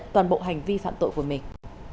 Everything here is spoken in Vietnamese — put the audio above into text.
toàn bộ hành vi phạm tội của mình